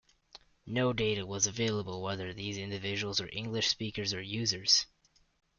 No data was available whether these individuals were English speakers or users.